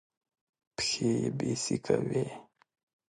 پښې يې بېسېکه وې.